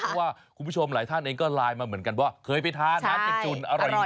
เพราะว่าคุณผู้ชมหลายท่านเองก็ไลน์มาเหมือนกันว่าเคยไปทานน้ำจิ้มจุ่มอร่อยดี